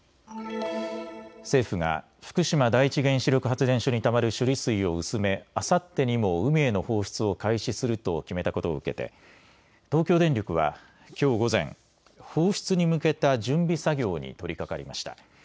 政府が福島第一原子力発電所にたまる処理水を薄めあさってにも海への放出を開始すると決めたことを受けて東京電力はきょう午前、放出に向けた準備作業に取りかかりました。